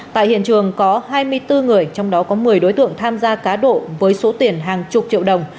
tại hiện trường có hai mươi bốn người trong đó có một mươi đối tượng tham gia cá độ với số tiền hàng chục triệu đồng